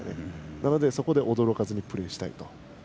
なので、そこで驚かずにプレーしたいと。